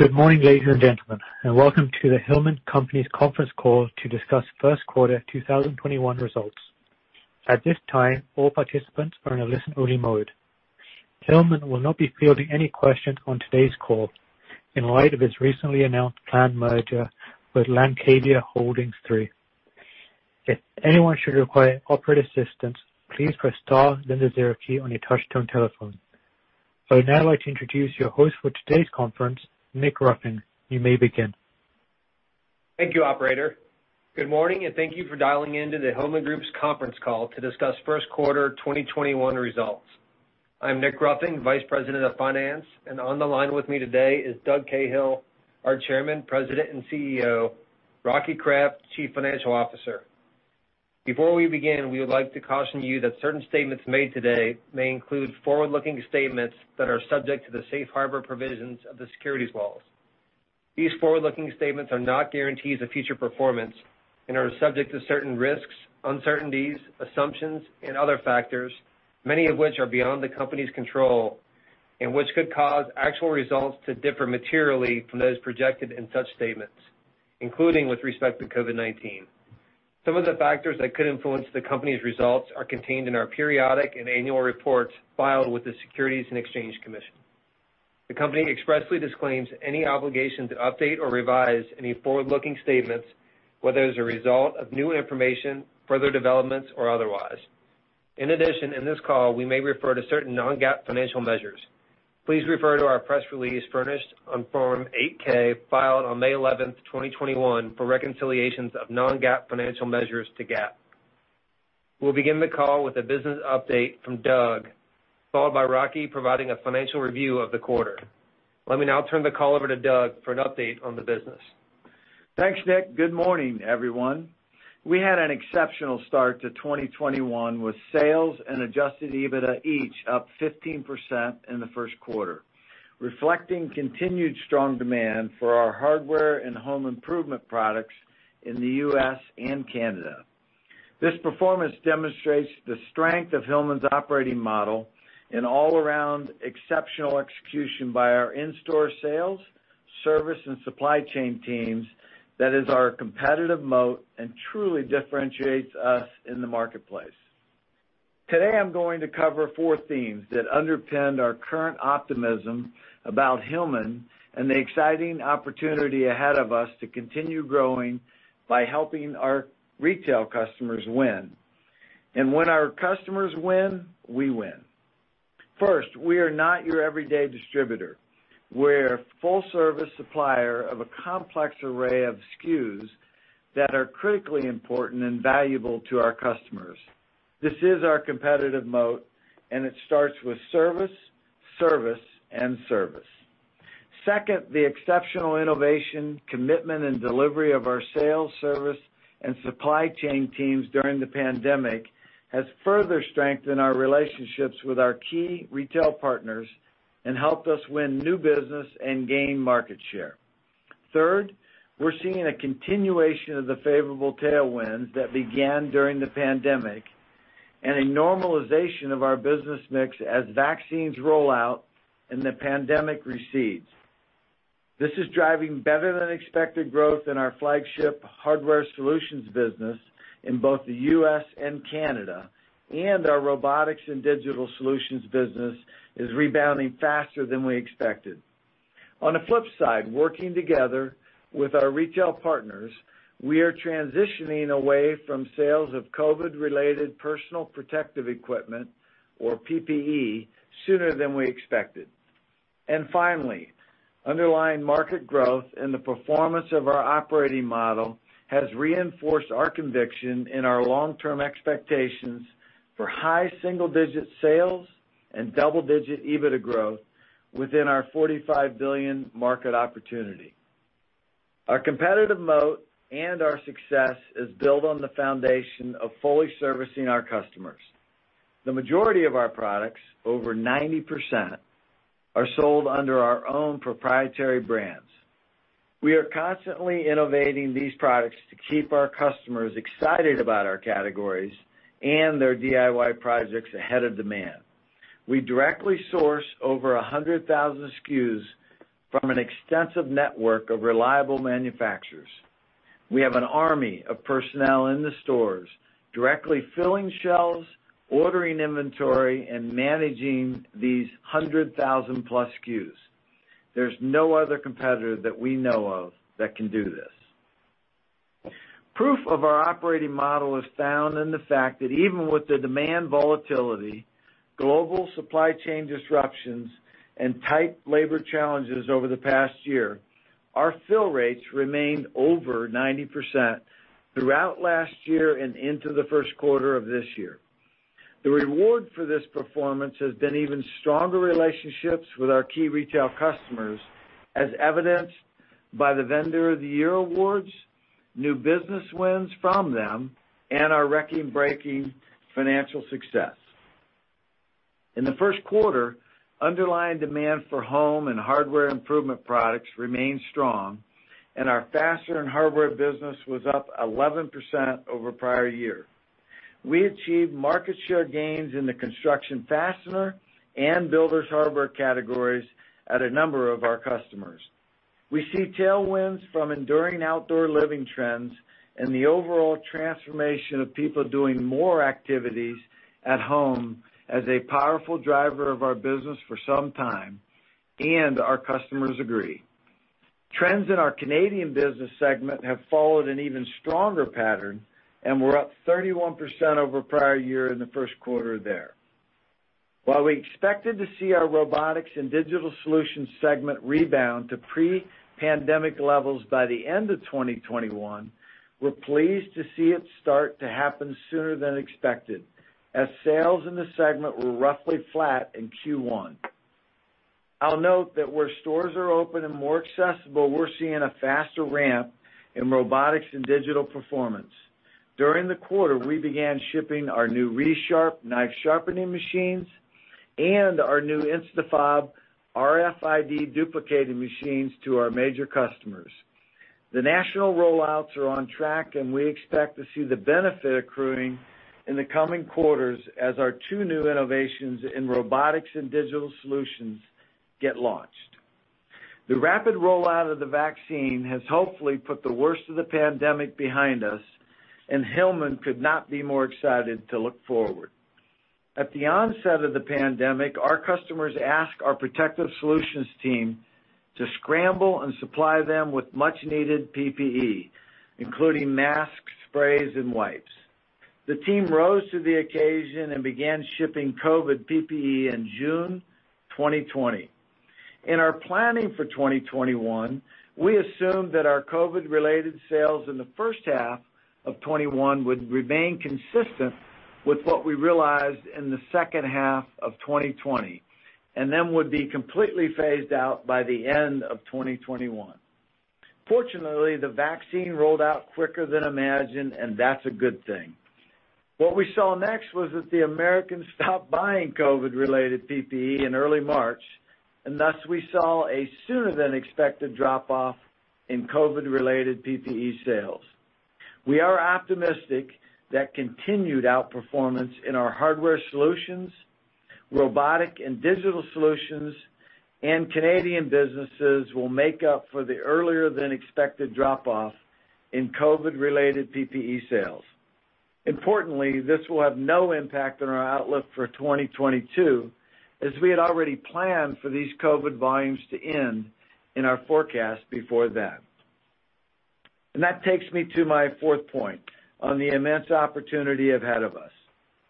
Good morning, ladies and gentlemen, and Welcome to the Hillman Companies conference call to discuss first quarter 2021 results. At this time, all participants are in a listen-only mode. Hillman will not be fielding any questions on today's call in light of its recently announced planned merger with Landcadia Holdings III. If anyone should require operator assistance, please press star then the zero key on your touch-tone telephone. I would now like to introduce your host for today's conference, Nick Ruffing. You may begin. Thank you, operator. Good morning, and thank you for dialing in to the Hillman Group's conference call to discuss first quarter 2021 results. I'm Nick Ruffing, Vice President of Finance, and on the line with me today is Doug Cahill, our Chairman, President, and CEO, Rocky Kraft, Chief Financial Officer. Before we begin, we would like to caution you that certain statements made today may include forward-looking statements that are subject to the safe harbor provisions of the securities laws. These forward-looking statements are not guarantees of future performance and are subject to certain risks, uncertainties, assumptions, and other factors, many of which are beyond the company's control and which could cause actual results to differ materially from those projected in such statements, including with respect to COVID-19. Some of the factors that could influence the company's results are contained in our periodic and annual reports filed with the Securities and Exchange Commission. The company expressly disclaims any obligation to update or revise any forward-looking statements, whether as a result of new information, further developments, or otherwise. In addition, in this call, we may refer to certain non-GAAP financial measures. Please refer to our press release furnished on Form 8-K filed on May 11th, 2021, for reconciliations of non-GAAP financial measures to GAAP. We'll begin the call with a business update from Doug, followed by Rocky providing a financial review of the quarter. Let me now turn the call over to Doug for an update on the business. Thanks, Nick. Good morning, everyone. We had an exceptional start to 2021 with sales and adjusted EBITDA each up 15% in the first quarter, reflecting continued strong demand for our hardware and home improvement products in the U.S. and Canada. This performance demonstrates the strength of Hillman's operating model and all-around exceptional execution by our in-store sales, service, and supply chain teams that is our competitive moat and truly differentiates us in the marketplace. Today, I'm going to cover four themes that underpin our current optimism about Hillman and the exciting opportunity ahead of us to continue growing by helping our retail customers win. When our customers win, we win. First, we are not your everyday distributor. We're a full-service supplier of a complex array of SKUs that are critically important and valuable to our customers. This is our competitive moat, and it starts with service, and service. Second, the exceptional innovation, commitment, and delivery of our sales, service, and supply chain teams during the pandemic has further strengthened our relationships with our key retail partners and helped us win new business and gain market share. Third, we're seeing a continuation of the favorable tailwinds that began during the pandemic and a normalization of our business mix as vaccines roll out and the pandemic recedes. This is driving better-than-expected growth in our flagship hardware solutions business in both the U.S. and Canada, and our robotics and digital solutions business is rebounding faster than we expected. On the flip side, working together with our retail partners, we are transitioning away from sales of COVID-related personal protective equipment, or PPE, sooner than we expected. Finally, underlying market growth and the performance of our operating model has reinforced our conviction in our long-term expectations for high single-digit sales and double-digit EBITDA growth within our $45 billion market opportunity. Our competitive moat and our success is built on the foundation of fully servicing our customers. The majority of our products, over 90%, are sold under our own proprietary brands. We are constantly innovating these products to keep our customers excited about our categories and their DIY projects ahead of demand. We directly source over 100,000 SKUs from an extensive network of reliable manufacturers. We have an army of personnel in the stores directly filling shelves, ordering inventory, and managing these 100,000-plus SKUs. There's no other competitor that we know of that can do this. Proof of our operating model is found in the fact that even with the demand volatility, global supply chain disruptions, and tight labor challenges over the past year, our fill rates remained over 90% throughout last year and into the first quarter of this year. The reward for this performance has been even stronger relationships with our key retail customers, as evidenced by the Vendor of the Year awards, new business wins from them, and our record-breaking financial success. In the first quarter, underlying demand for home and hardware improvement products remained strong, and our fastener and hardware business was up 11% over prior year. We achieved market share gains in the construction fastener and builders hardware categories at a number of our customers. We see tailwinds from enduring outdoor living trends and the overall transformation of people doing more activities at home as a powerful driver of our business for some time, and our customers agree. Trends in our Canadian business segment have followed an even stronger pattern, and we're up 31% over prior year in the first quarter there. While we expected to see our Robotics and Digital Solutions segment rebound to pre-pandemic levels by the end of 2021, we're pleased to see it start to happen sooner than expected, as sales in the segment were roughly flat in Q1. I'll note that where stores are open and more accessible, we're seeing a faster ramp in robotics and digital performance. During the quarter, we began shipping our new Resharp knife sharpening machines and our new InstaFob RFID duplicating machines to our major customers. The national rollouts are on track, and we expect to see the benefit accruing in the coming quarters as our two new innovations in Robotics and Digital Solutions get launched. The rapid rollout of the vaccine has hopefully put the worst of the pandemic behind us, and Hillman could not be more excited to look forward. At the onset of the pandemic, our customers asked our Protective Solutions team to scramble and supply them with much-needed PPE, including masks, sprays, and wipes. The team rose to the occasion and began shipping COVID PPE in June 2020. In our planning for 2021, we assumed that our COVID-related sales in the first half of 2021 would remain consistent with what we realized in the second half of 2020, and then would be completely phased out by the end of 2021. Fortunately, the vaccine rolled out quicker than imagined, and that's a good thing. What we saw next was that the Americans stopped buying COVID-related PPE in early March, and thus we saw a sooner-than-expected drop-off in COVID-related PPE sales. We are optimistic that continued outperformance in our hardware solutions, Robotics and Digital Solutions, and Canadian businesses will make up for the earlier-than-expected drop-off in COVID-related PPE sales. Importantly, this will have no impact on our outlook for 2022, as we had already planned for these COVID volumes to end in our forecast before then. That takes me to my fourth point on the immense opportunity ahead of us.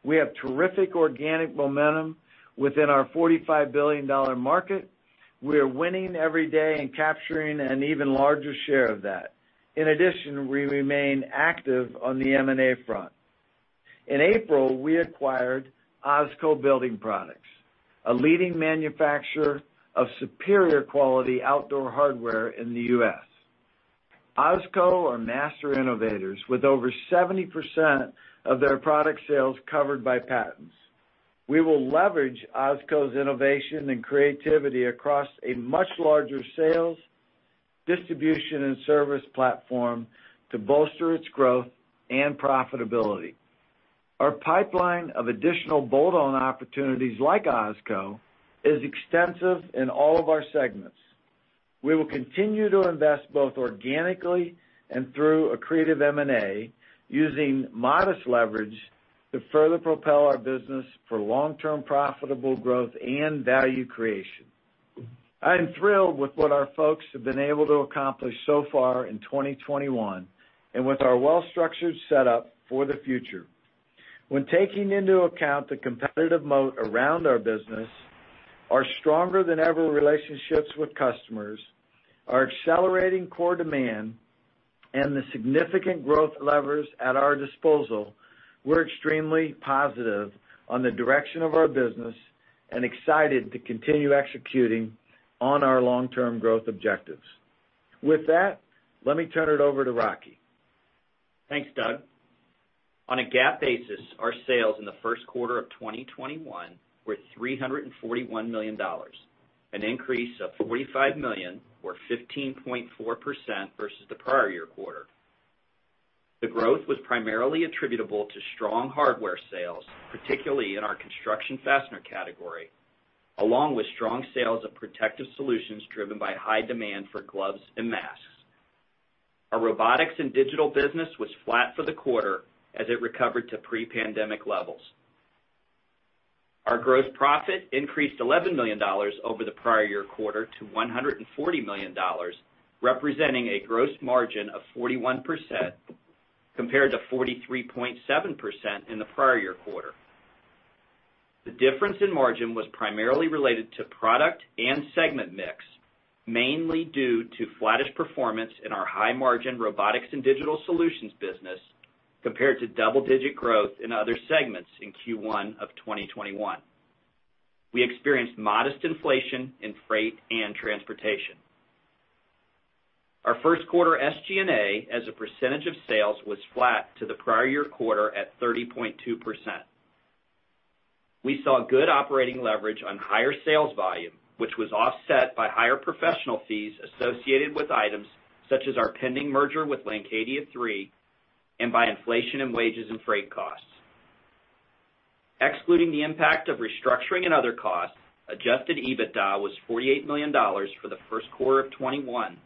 We have terrific organic momentum within our $45 billion market. We are winning every day and capturing an even larger share of that. In addition, we remain active on the M&A front. In April, we acquired OZCO Building Products, a leading manufacturer of superior quality outdoor hardware in the U.S. OZCO are master innovators, with over 70% of their product sales covered by patents. We will leverage OZCO's innovation and creativity across a much larger sales, distribution, and service platform to bolster its growth and profitability. Our pipeline of additional bolt-on opportunities like OZCO is extensive in all of our segments. We will continue to invest both organically and through accretive M&A, using modest leverage to further propel our business for long-term profitable growth and value creation. I am thrilled with what our folks have been able to accomplish so far in 2021 and with our well-structured setup for the future. When taking into account the competitive moat around our business, our stronger-than-ever relationships with customers, our accelerating core demand, and the significant growth levers at our disposal, we're extremely positive on the direction of our business and excited to continue executing on our long-term growth objectives. With that, let me turn it over to Rocky. Thanks, Doug. On a GAAP basis, our sales in the first quarter of 2021 were $341 million, an increase of $45 million or 15.4% versus the prior year quarter. The growth was primarily attributable to strong hardware sales, particularly in our construction fastener category, along with strong sales of Protective Solutions driven by high demand for gloves and masks. Our Robotics and Digital Solutions was flat for the quarter as it recovered to pre-pandemic levels. Our gross profit increased $11 million over the prior year quarter to $140 million, representing a gross margin of 41% compared to 43.7% in the prior year quarter. The difference in margin was primarily related to product and segment mix, mainly due to flattish performance in our high-margin Robotics and Digital Solutions compared to double-digit growth in other segments in Q1 of 2021. We experienced modest inflation in freight and transportation. Our first quarter SG&A as a percentage of sales was flat to the prior year quarter at 30.2%. We saw good operating leverage on higher sales volume, which was offset by higher professional fees associated with items such as our pending merger with Landcadia III, and by inflation in wages and freight costs. Excluding the impact of restructuring and other costs, adjusted EBITDA was $48 million for the first quarter of 2021,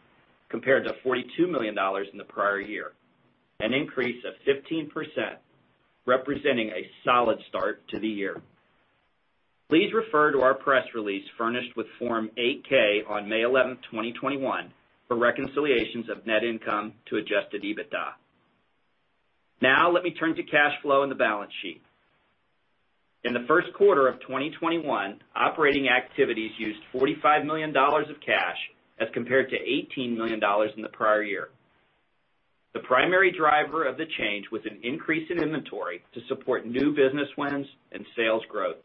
compared to $42 million in the prior year, an increase of 15%, representing a solid start to the year. Please refer to our press release furnished with Form 8-K on May 11th, 2021 for reconciliations of net income to adjusted EBITDA. Let me turn to cash flow and the balance sheet. In the first quarter of 2021, operating activities used $45 million of cash as compared to $18 million in the prior year. The primary driver of the change was an increase in inventory to support new business wins and sales growth.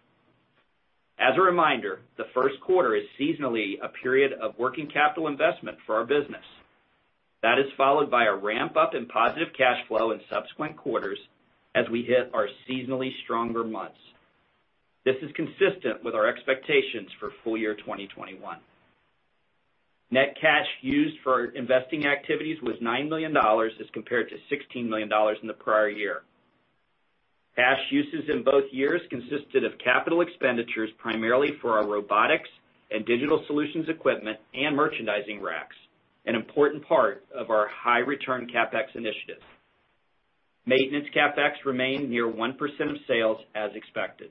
As a reminder, the first quarter is seasonally a period of working capital investment for our business. That is followed by a ramp-up in positive cash flow in subsequent quarters as we hit our seasonally stronger months. This is consistent with our expectations for full year 2021. Net cash used for investing activities was $9 million as compared to $16 million in the prior year. Cash uses in both years consisted of capital expenditures primarily for our Robotics and Digital Solutions equipment and merchandising racks, an important part of our high return CapEx initiative. Maintenance CapEx remained near 1% of sales as expected.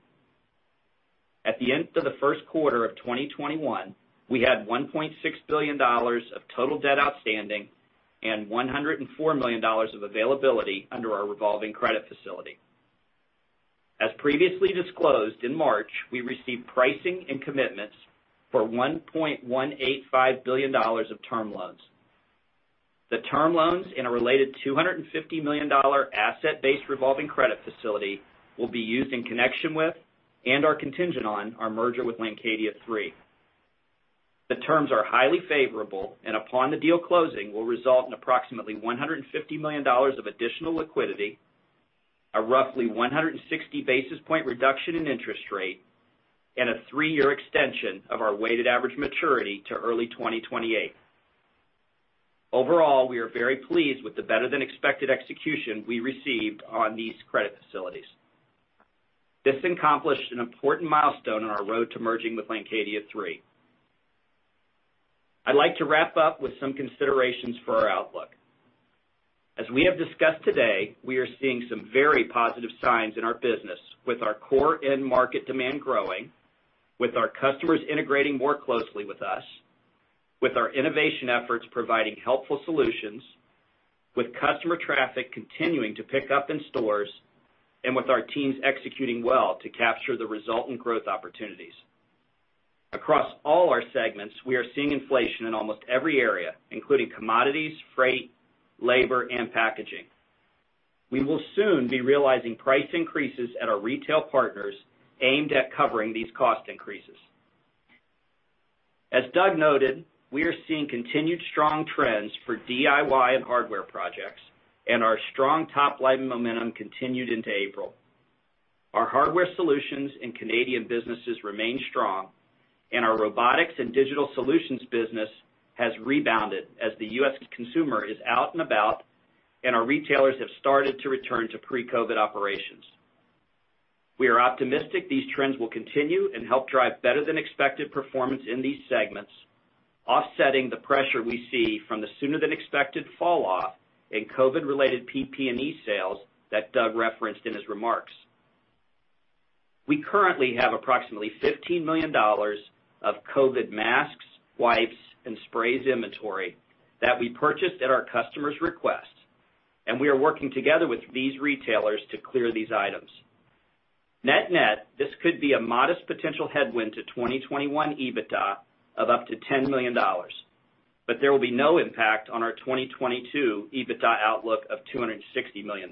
At the end of the first quarter of 2021, we had $1.6 billion of total debt outstanding and $104 million of availability under our revolving credit facility. As previously disclosed, in March, we received pricing and commitments for $1.185 billion of term loans. The term loans in a related $250 million asset-based revolving credit facility will be used in connection with, and are contingent on, our merger with Landcadia III. The terms are highly favorable, and upon the deal closing, will result in approximately $150 million of additional liquidity, a roughly 160 basis point reduction in interest rate, and a three-year extension of our weighted average maturity to early 2028. Overall, we are very pleased with the better-than-expected execution we received on these credit facilities. This accomplished an important milestone on our road to merging with Landcadia III. I'd like to wrap up with some considerations for our outlook. As we have discussed today, we are seeing some very positive signs in our business with our core end market demand growing, with our customers integrating more closely with us, with our innovation efforts providing helpful solutions, with customer traffic continuing to pick up in stores, and with our teams executing well to capture the resultant growth opportunities. Across all our segments, we are seeing inflation in almost every area, including commodities, freight, labor, and packaging. We will soon be realizing price increases at our retail partners aimed at covering these cost increases. As Doug noted, we are seeing continued strong trends for DIY and hardware projects, and our strong top-line momentum continued into April. Our hardware solutions and Canadian businesses remain strong, and our Robotics and Digital Solutions business has rebounded as the U.S. consumer is out and about and our retailers have started to return to pre-COVID operations. We are optimistic these trends will continue and help drive better-than-expected performance in these segments, offsetting the pressure we see from the sooner-than-expected fall-off in COVID-related PPE sales that Doug referenced in his remarks. We currently have approximately $15 million of COVID masks, wipes, and sprays inventory that we purchased at our customers' request, and we are working together with these retailers to clear these items. Net net, this could be a modest potential headwind to 2021 EBITDA of up to $10 million, but there will be no impact on our 2022 EBITDA outlook of $260 million.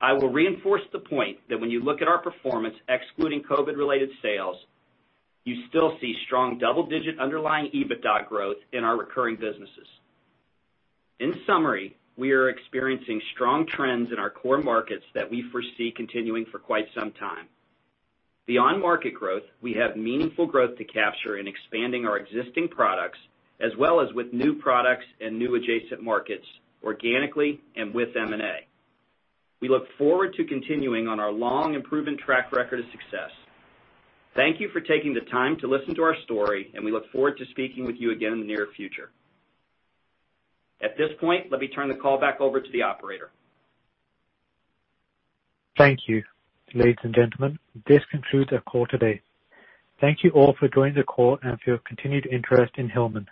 I will reinforce the point that when you look at our performance excluding COVID-related sales, you still see strong double-digit underlying EBITDA growth in our recurring businesses. In summary, we are experiencing strong trends in our core markets that we foresee continuing for quite some time. Beyond market growth, we have meaningful growth to capture in expanding our existing products, as well as with new products and new adjacent markets, organically and with M&A. We look forward to continuing on our long and proven track record of success. Thank you for taking the time to listen to our story. We look forward to speaking with you again in the near future. At this point, let me turn the call back over to the operator. Thank you. Ladies and gentlemen, this concludes our call today. Thank you all for joining the call and for your continued interest in Hillman.